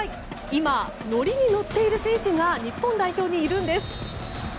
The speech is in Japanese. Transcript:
今、乗りに乗ってる選手が日本代表にいるんです。